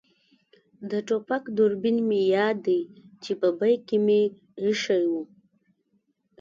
د ټوپک دوربین مې یاد دی چې په بېک کې مې اېښی وو.